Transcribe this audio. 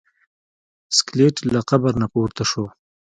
سکلیټ له قبر نه پورته شو.